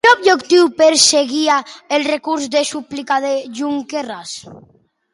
Quin objectiu perseguia el recurs de súplica de Junqueras?